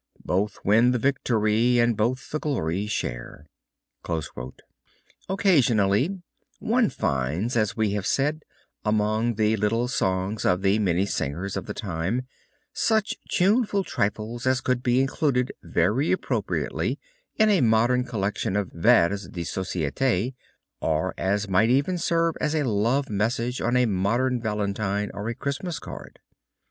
Both win the victory, and both the glory share. Occasionally one finds, as we have said, among the little songs of the Minnesingers of the time such tuneful trifles as could be included very appropriately in a modern collection of vers de société, or as might even serve as a love message on a modern valentine or a Christmas card.